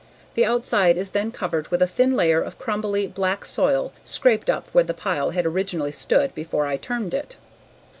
The outside is then covered with a thin layer of crumbly, black soil scraped up where the pile had originally stood before I turned it.